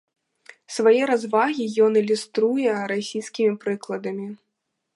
Свае развагі ён ілюструе расійскімі прыкладамі.